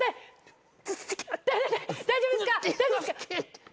大丈夫ですか？